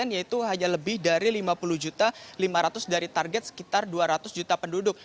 yaitu hanya lebih dari lima puluh lima ratus dari target sekitar dua ratus juta penduduk